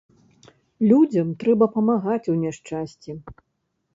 Людзям трэба памагаць у няшчасці.